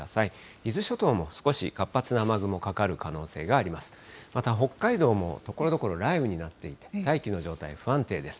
伊豆諸島も少し活発な雨雲かかる可能性があります。